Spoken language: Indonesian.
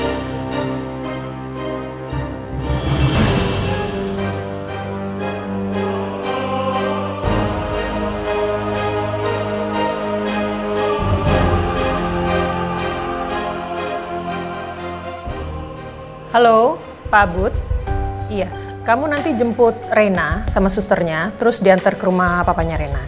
halo halo pak bud iya kamu nanti jemput rena sama susternya terus diantar ke rumah papanya rena